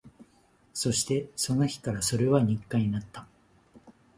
そして、その日からそれは日課になった